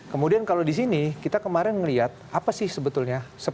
kemudian kalau di sini kita kemarin melihat apa sih sebetulnya